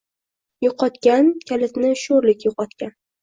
Yo‘qotgan! Kalitni sho‘rlik yo‘qotgan.